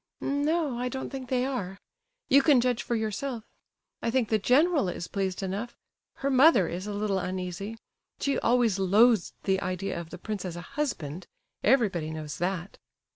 "N no, I don't think they are. You can judge for yourself. I think the general is pleased enough; her mother is a little uneasy. She always loathed the idea of the prince as a husband; everybody knows that."